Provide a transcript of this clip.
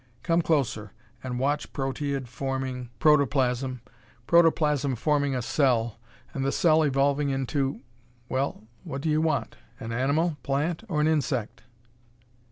Come closer and watch proteid forming protoplasm, protoplasm forming a cell, and the cell evolving into well, what do you want, an animal, plant, or an insect?"